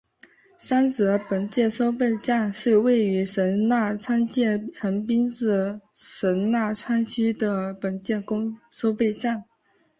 三泽本线收费站是位于神奈川县横滨市神奈川区的本线收费站。